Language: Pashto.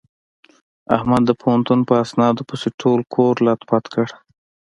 احمد د پوهنتون په اسنادونو پسې ټول کور لت پت کړ.